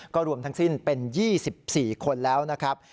ก็รวมทั้งสิ้นเป็น๒๔คนแล้วนะครับ